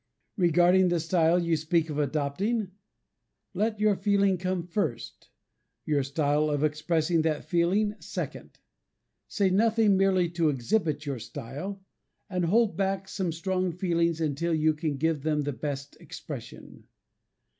Regarding the style you speak of adopting, let your feeling come first, your style of expressing that feeling second. Say nothing merely to exhibit your style and hold back some strong feelings until you can give them the best expression.